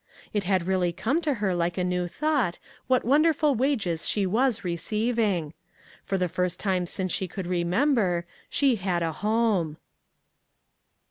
It had really come to her like a new thought, what wonderful wages she was receiving. For the first time since she could remember, she had a home!